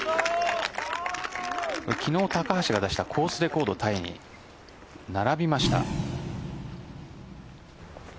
昨日、高橋が出したコースレコードタイに並びました。